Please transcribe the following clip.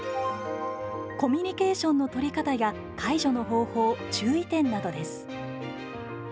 コミュニケーションのとり方や介助の方法、注意点などです。